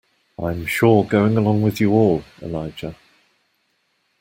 I'm sure going along with you all, Elijah.